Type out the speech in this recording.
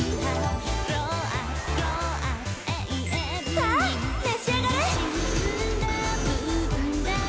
さぁ召し上がれ。